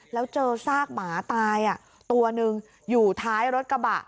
แล้วเจอซากหมาตายตัวหนึ่งอยู่ท้ายรถกระบะ